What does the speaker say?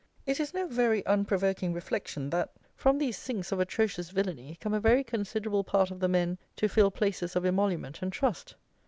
It is no very unprovoking reflection, that from these sinks of atrocious villany come a very considerable part of the men to fill places of emolument and trust.